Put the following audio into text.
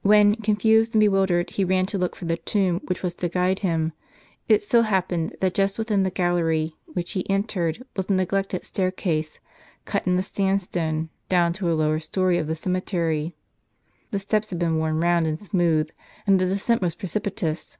When, confused and bewildered, he ran to look for the tomb which was to guide him, it so happened, that, just within the gallery which he entered, was a neglected stair case, cut in the sandstone, down to a lower story of the ceme tery. The steps had been worn round and smooth, and the descent was precipitous.